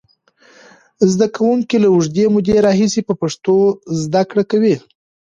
زده کوونکي له اوږدې مودې راهیسې په پښتو زده کړه کوي.